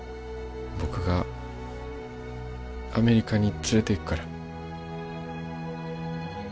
僕がアメリカに連れていくから。